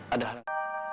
ada hal yang